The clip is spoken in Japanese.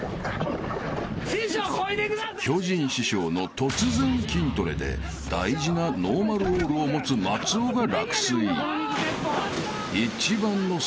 ［巨人師匠の突然筋トレで大事なノーマルオールを持つ松尾が落水］